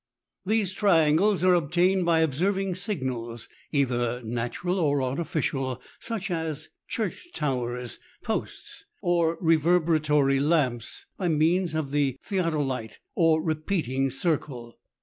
These triangles are obtained by observing signals, either natural or artificial, such as church towers, posts, or rever beratory lamps, by means of the theodolite or repeating circle.